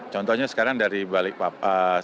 contohnya sekarang dari balikpapan